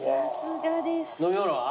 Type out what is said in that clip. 飲み物は？